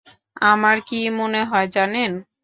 আমার কী মনে হয় জানেন?